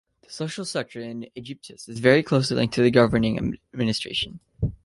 The social structure in Aegyptus is very closely linked to the governing administration.